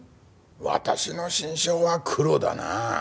私の心証はクロだなあ。